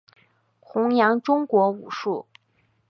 宏杨中国武术。